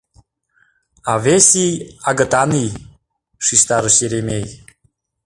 — А вес ий — Агытан ий! — шижтарыш Еремей.